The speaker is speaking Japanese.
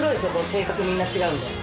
性格みんな違うんで。